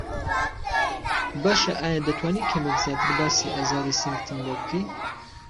باشه ئایا دەتوانی کەمێک زیاتر باسی ئازاری سنگتم بۆ بکەی؟